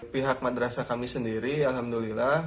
pihak madrasah kami sendiri alhamdulillah